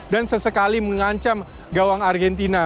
dan sesekali mengancam gawang argentina